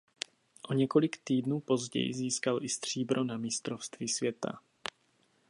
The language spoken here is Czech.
O několik týdnů později získal i stříbro na Mistrovství světa.